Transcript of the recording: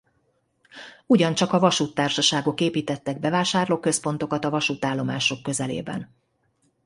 Ugyancsak a vasúttársaságok építettek bevásárlóközpontokat a vasútállomások közelében.